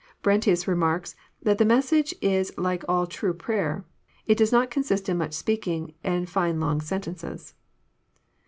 Brentius remarks that the message is like all true prayer : it does not consist in much speaking, and fine long sentences.